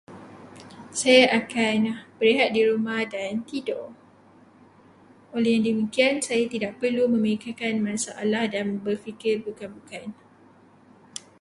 Saya akan berehat di rumah dan tidur. Oleh demikian, saya tidak perlu memikirkan masalah dan berfikir bukan-bukan.